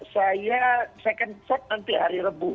saya second shot nanti hari rebu